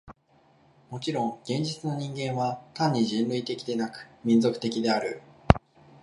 もちろん現実の人間は単に人類的でなく、民族的である。